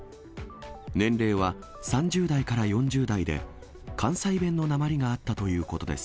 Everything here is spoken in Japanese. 年齢は３０代から４０代で、関西弁のなまりがあったということです。